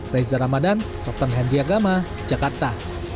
reza ramadan softan henry agama jakarta